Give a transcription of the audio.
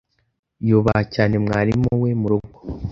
Yubaha cyane mwarimu we murugo.